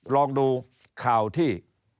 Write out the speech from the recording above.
ลองดูข่าวที่